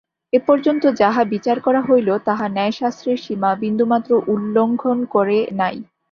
এ পর্যন্ত যাহা বিচার করা হইল, তাহা ন্যায়শাস্ত্রের সীমা বিন্দুমাত্র উল্লঙ্ঘন করে নাই।